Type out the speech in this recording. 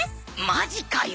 マジかよ